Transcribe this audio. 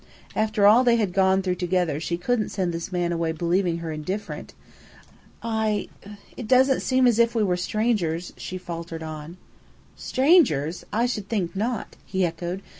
After all they had gone through together she couldn't send this man away believing her indifferent. "I it doesn't seem as if we were strangers," she faltered on. "Strangers! I should think not," he echoed.